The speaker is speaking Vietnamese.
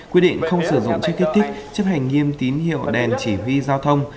quy định không sử dụng chiếc kích tích chấp hành nghiêm tín hiệu đèn chỉ huy giao thông